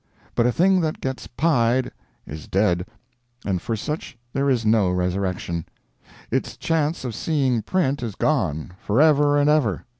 But a thing that gets pied is dead, and for such there is no resurrection; its chance of seeing print is gone, forever and ever.